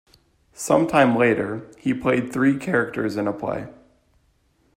Some time later, he played three characters in a play.